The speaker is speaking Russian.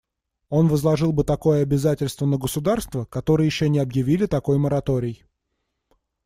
Он возложил бы такое обязательство на государства, которые еще не объявили такой мораторий.